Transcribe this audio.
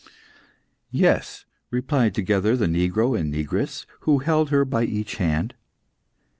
"Yes," replied together the negro and negress, who held her by each hand.